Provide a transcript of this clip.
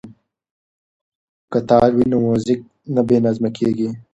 که تال وي نو موزیک نه بې نظمه کیږي.